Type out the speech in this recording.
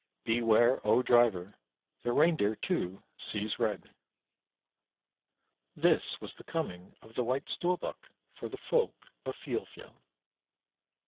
Beware, O driver! the Reindeer, too, "sees red." This was the coming of the White Storbuk for the folk of Filefjeld.